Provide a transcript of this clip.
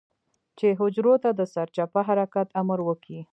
چې حجرو ته د سرچپه حرکت امر وکي.